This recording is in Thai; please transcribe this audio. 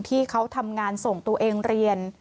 ที่เขาทำงานส่งตัวเองเรียน